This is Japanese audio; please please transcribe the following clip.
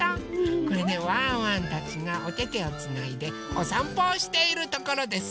これねワンワンたちがおててをつないでおさんぽをしているところです。